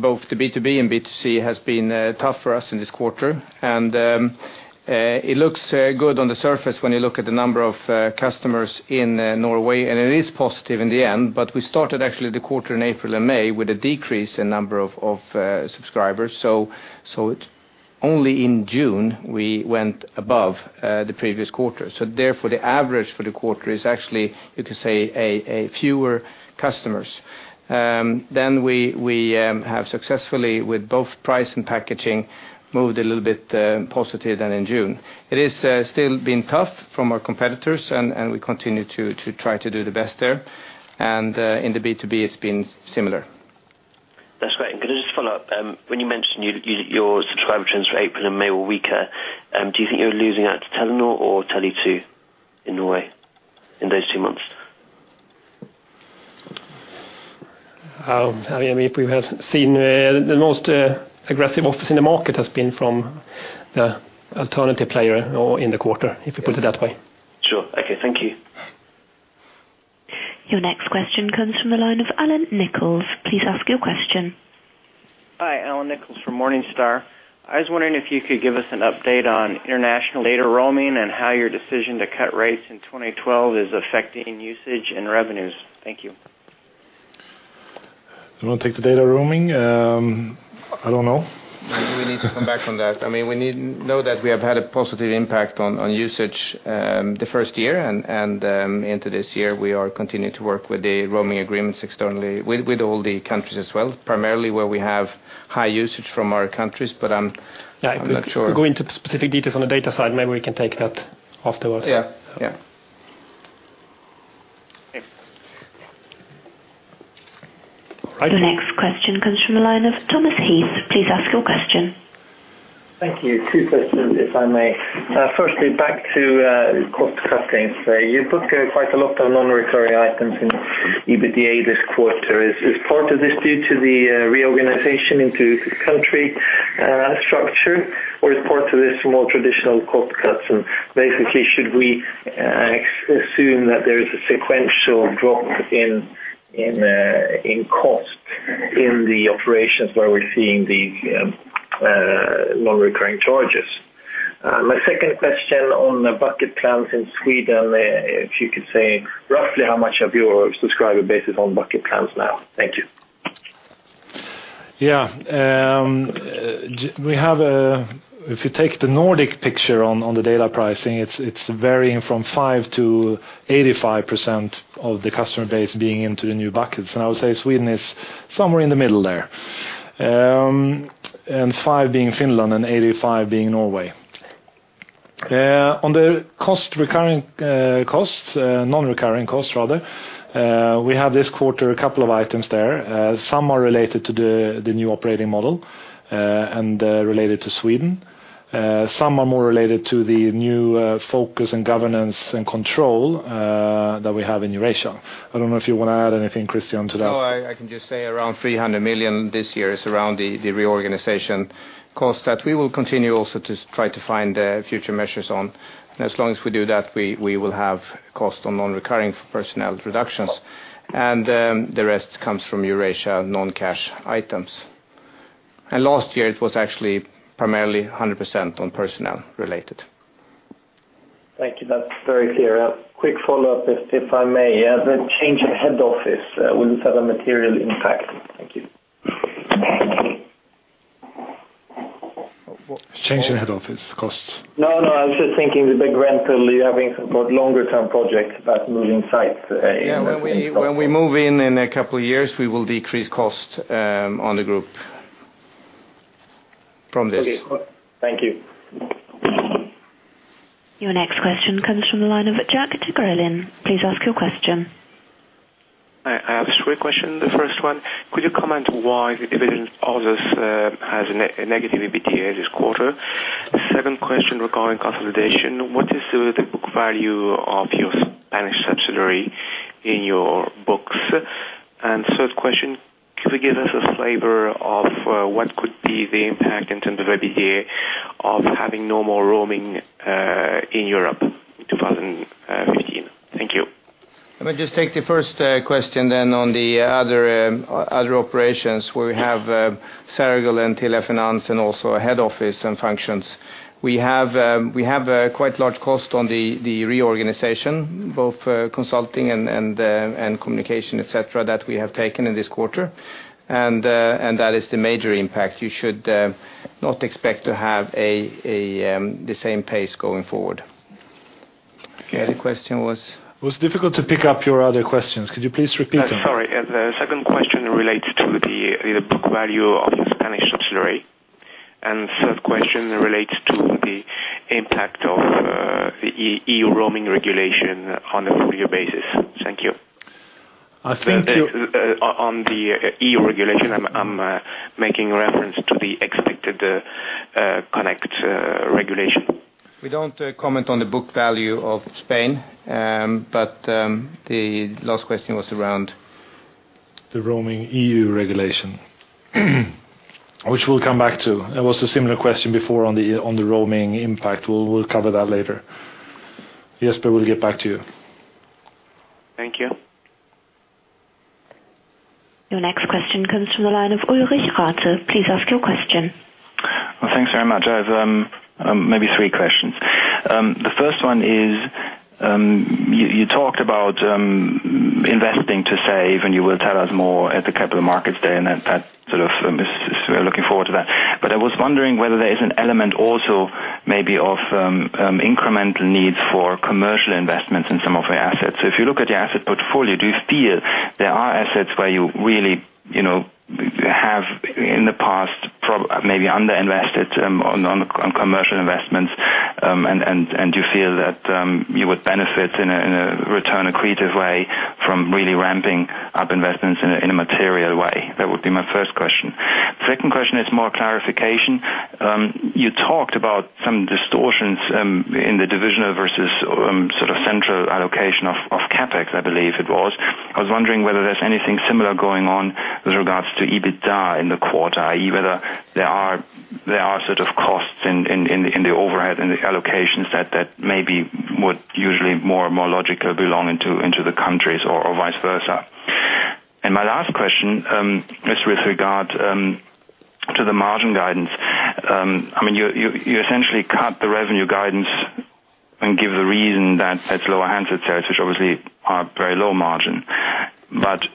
both the B2B and B2C has been tough for us in this quarter. It looks good on the surface when you look at the number of customers in Norway, and it is positive in the end, but we started actually the quarter in April and May with a decrease in number of subscribers. Only in June we went above the previous quarter. Therefore, the average for the quarter is actually, you could say, a fewer customers. We have successfully, with both price and packaging, moved a little bit positive than in June. It is still been tough from our competitors and we continue to try to do the best there, and in the B2B it's been similar. That's great. Could I just follow up, when you mentioned your subscriber trends for April and May were weaker, do you think you're losing out to Telenor or Tele2, in Norway in those two months? We have seen the most aggressive offers in the market has been from the alternative player in the quarter, if you put it that way. Sure. Okay. Thank you. Your next question comes from the line of Alan Nichols. Please ask your question. Hi, Alan Nichols from Morningstar. I was wondering if you could give us an update on international data roaming and how your decision to cut rates in 2012 is affecting usage and revenues. Thank you. You want to take the data roaming? I don't know. Maybe we need to come back on that. We know that we have had a positive impact on usage the first year and into this year, we are continuing to work with the roaming agreements externally with all the countries as well, primarily where we have high usage from our countries. I'm not sure. We'll go into specific details on the data side. Maybe we can take that afterwards. Yeah. Thanks. Your next question comes from the line of Thomas Heath. Please ask your question. Thank you. Two questions, if I may. Firstly, back to cost cutting. You put quite a lot of non-recurring items in EBITDA this quarter. Is this part of this due to the reorganization into country structure, or is part of this more traditional cost cuts? Basically, should we assume that there is a sequential drop in cost in the operations where we're seeing the non-recurring charges? My second question on the bucket plans in Sweden, if you could say roughly how much of your subscriber base is on bucket plans now. Thank you. Yeah. If you take the Nordic picture on the data pricing, it's varying from 5%-85% of the customer base being into the new buckets. I would say Sweden is somewhere in the middle there. Five being Finland and 85 being Norway. On the non-recurring costs, we have this quarter a couple of items there. Some are related to the new operating model, and related to Sweden. Some are more related to the new focus in governance and control that we have in Eurasia. I don't know if you want to add anything, Christian, to that. No, I can just say around 300 million this year is around the reorganization cost that we will continue also to try to find future measures on. As long as we do that, we will have cost on non-recurring personnel reductions. The rest comes from Eurasia non-cash items. Last year it was actually primarily 100% on personnel related. Thank you. That's very clear. A quick follow-up, if I may. The change of head office, will this have a material impact? Thank you. Change in head office costs? No, I was just thinking the big rental, you're having more longer term projects, moving site- Yeah, when we move in a couple of years, we will decrease cost on the group from this. Thank you. Your next question comes from the line of Jack Degerlin. Please ask your question. I have three questions. The first one, could you comment why Other Operations has a negative EBITDA this quarter? Second question regarding consolidation. What is the book value of your Spanish subsidiary in your books? Third question, could you give us a flavor of what could be the impact in terms of EBITDA of having no more roaming in Europe, 2015? Thank you. Let me just take the first question on the Other Operations where we have and Telefinans and also a head office and functions. We have a quite large cost on the reorganization, both consulting and communication, et cetera, that we have taken in this quarter. That is the major impact. You should not expect to have the same pace going forward. The other question was? It was difficult to pick up your other questions. Could you please repeat them? Sorry. The second question relates to the book value of your Spanish subsidiary. Third question relates to the impact of EU roaming regulation on a full year basis. Thank you. I think. On the EU regulation, I'm making a reference to the expected Connected Continent regulation. We don't comment on the book value of Spain. The last question was around? The roaming EU regulation. Which we'll come back to. There was a similar question before on the roaming impact. We'll cover that later. Jesper, we'll get back to you. Thank you. Your next question comes from the line of Ulrich Rathe. Please ask your question. Thanks very much. Maybe three questions. The first one is, you talked about investing to save, and you will tell us more at the Capital Markets Day, and we're looking forward to that. I was wondering whether there is an element also maybe of incremental needs for commercial investments in some of your assets. If you look at your asset portfolio, do you feel there are assets where you really have in the past, maybe under-invested on non-commercial investments, and you feel that you would benefit in a return accretive way from really ramping up investments in a material way? That would be my first question. Second question is more clarification. You talked about some distortions in the divisional versus central allocation of CapEx, I believe it was. I was wondering whether there's anything similar going on with regards to EBITDA in the quarter. i.e., whether there are sort of costs in the overhead, in the allocations that maybe would usually more logically belong into the countries or vice versa. My last question is with regard to the margin guidance. You essentially cut the revenue guidance and give the reason that it's lower handset sales, which obviously are very low margin.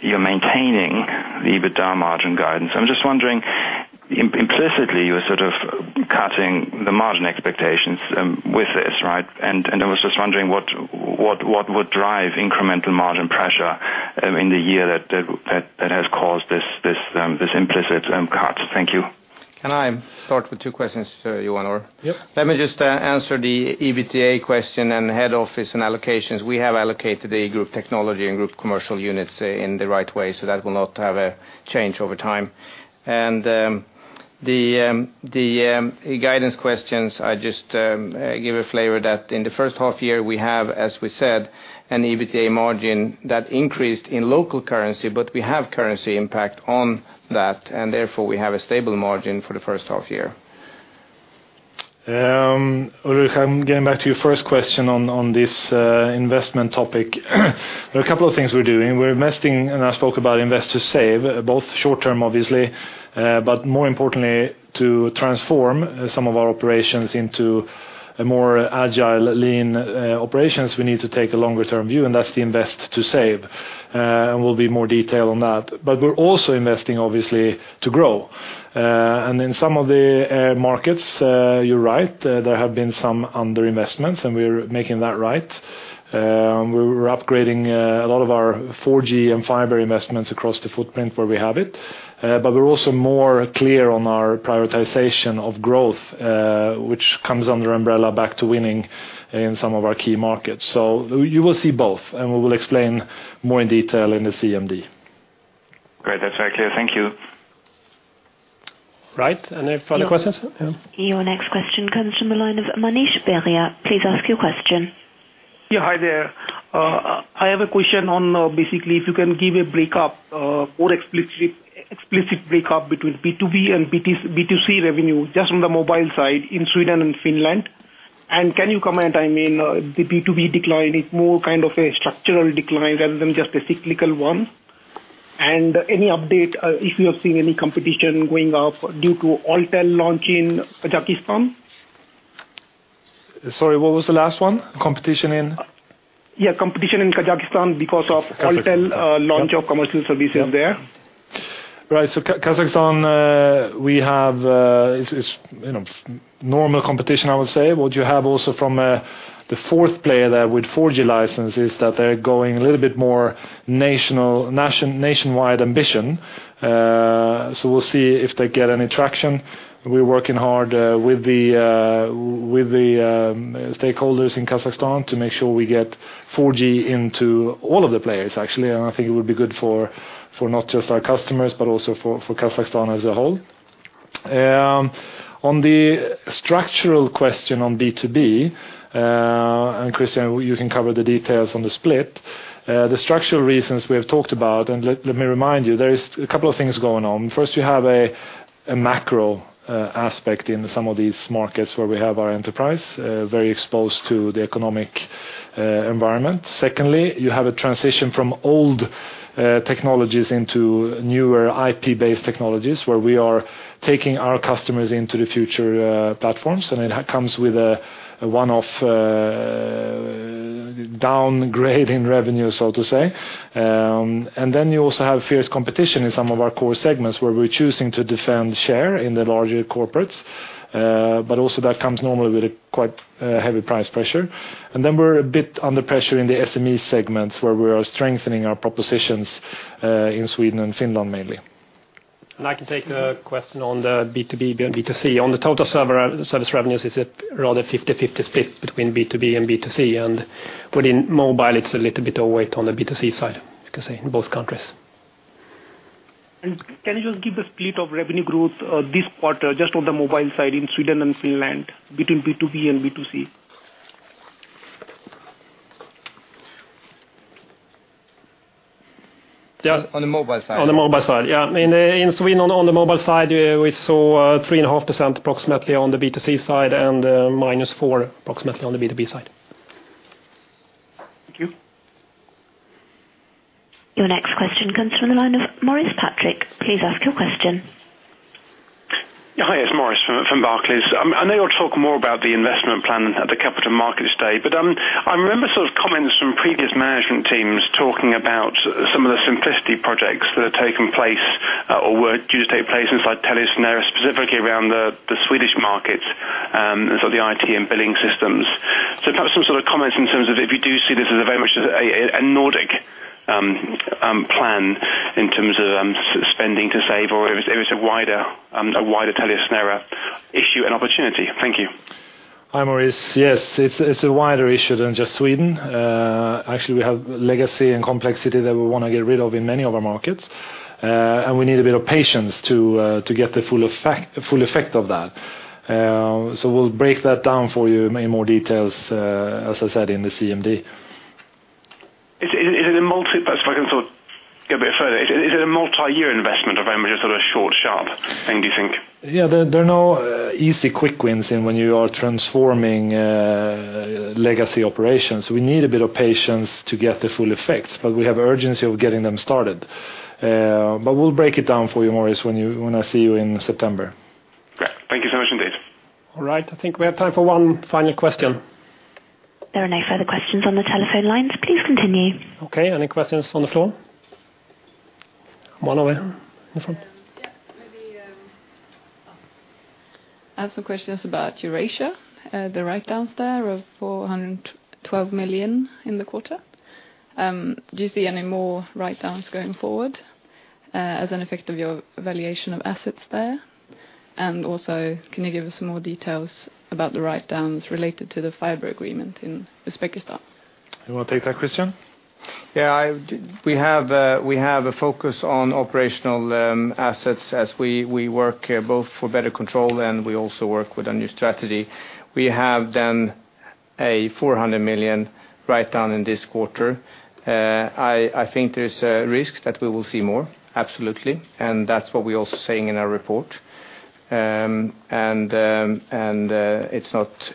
You're maintaining the EBITDA margin guidance. I'm just wondering, implicitly, you're sort of cutting the margin expectations with this, right? I was just wondering what would drive incremental margin pressure in the year that has caused this implicit cut. Thank you. Can I start with two questions, Johan? Yep. Let me just answer the EBITDA question and the head office and allocations. We have allocated the group technology and group commercial units in the right way, so that will not have a change over time. The guidance questions, I just give a flavor that in the first half year, we have, as we said, an EBITDA margin that increased in local currency, we have currency impact on that, therefore, we have a stable margin for the first half year. Ulrich, I'm getting back to your first question on this investment topic. There are a couple of things we're doing. We're investing, I spoke about invest to save, both short-term obviously, more importantly, to transform some of our operations into a more agile, lean operations. We need to take a longer-term view, that's the invest to save. We'll be more detailed on that. We're also investing, obviously, to grow. In some of the markets, you're right, there have been some under-investments, we're making that right. We're upgrading a lot of our 4G and fiber investments across the footprint where we have it. We're also more clear on our prioritization of growth, which comes under umbrella back to winning in some of our key markets. You will see both, we will explain more in detail in the CMD. Great. That's very clear. Thank you. Right. Any further questions? Yeah. Your next question comes from the line of Manish Beria. Please ask your question. Yeah. Hi there. I have a question on basically if you can give a more explicit breakup between B2B and B2C revenue, just on the mobile side in Sweden and Finland. Can you comment, the B2B decline is more kind of a structural decline rather than just a cyclical one? Any update, if you have seen any competition going up due to Altel launch in Kazakhstan? Sorry, what was the last one? Competition in? Yeah, competition in Kazakhstan because of Altel launch of commercial services there. Right. Kazakhstan, we have normal competition, I would say. What you have also from the fourth player there with 4G licenses, that they're going a little bit more nationwide ambition. We'll see if they get any traction. We're working hard with the stakeholders in Kazakhstan to make sure we get 4G into all of the players, actually. I think it would be good for not just our customers, but also for Kazakhstan as a whole. On the structural question on B2B, and Christian, you can cover the details on the split. The structural reasons we have talked about, and let me remind you, there is a couple of things going on. First, you have a macro aspect in some of these markets where we have our enterprise, very exposed to the economic environment. Secondly, you have a transition from old technologies into newer IP-based technologies, where we are taking our customers into the future platforms, and it comes with a one-off downgrade in revenue, so to say. You also have fierce competition in some of our core segments, where we're choosing to defend share in the larger corporates. That comes normally with a quite heavy price pressure. We're a bit under pressure in the SME segments, where we are strengthening our propositions in Sweden and Finland, mainly. I can take the question on the B2B and B2C. On the total service revenues, it's a rather 50/50 split between B2B and B2C. Within mobile, it's a little bit of weight on the B2C side, you could say, in both countries. Can you just give the split of revenue growth this quarter, just on the mobile side in Sweden and Finland, between B2B and B2C? Yeah. On the mobile side. On the mobile side, yeah. In Sweden, on the mobile side, we saw 3.5% approximately on the B2C side and minus four approximately on the B2B side. Thank you. Question comes from the line of Maurice Patrick. Please ask your question. Hi, it's Maurice from Barclays. I know you'll talk more about the investment plan at the Capital Markets Day, but I remember comments from previous management teams talking about some of the simplicity projects that have taken place or were due to take place inside TeliaSonera, specifically around the Swedish markets, the IT and billing systems. Perhaps some sort of comments in terms of if you do see this as a very much a Nordic plan in terms of spending to save or if it's a wider TeliaSonera issue and opportunity. Thank you. Hi, Maurice. Yes, it's a wider issue than just Sweden. Actually, we have legacy and complexity that we want to get rid of in many of our markets. We need a bit of patience to get the full effect of that. We'll break that down for you in many more details, as I said, in the CMD. If I can sort of go a bit further. Is it a multi-year investment or very much a sort of short, sharp thing, do you think? Yeah, there are no easy quick wins when you are transforming legacy operations. We need a bit of patience to get the full effects, we have urgency of getting them started. We'll break it down for you, Maurice, when I see you in September. Great. Thank you so much indeed. All right. I think we have time for one final question. There are no further questions on the telephone lines. Please continue. Okay. Any questions on the floor? One over here, in the front. Yeah. I have some questions about Eurasia, the write-downs there of 412 million in the quarter. Do you see any more write-downs going forward as an effect of your valuation of assets there? Also, can you give us some more details about the write-downs related to the fiber agreement in Uzbekistan? You want to take that, Christian? Yeah. We have a focus on operational assets as we work both for better control and we also work with a new strategy. We have done a 400 million write-down in this quarter. I think there's a risk that we will see more. Absolutely. That's what we're also saying in our report.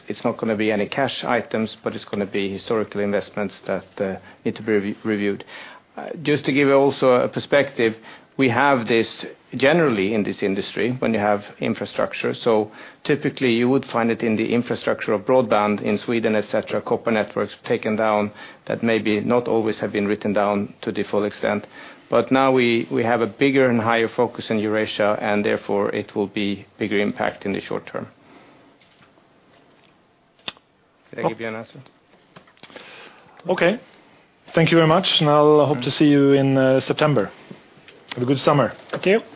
It's not going to be any cash items, but it's going to be historical investments that need to be reviewed. Just to give you also a perspective, we have this generally in this industry when you have infrastructure. Typically you would find it in the infrastructure of broadband in Sweden, et cetera, copper networks taken down that maybe not always have been written down to the full extent. Now we have a bigger and higher focus in Eurasia, and therefore it will be bigger impact in the short term. Okay. Thank you very much, and I'll hope to see you in September. Have a good summer. Thank you.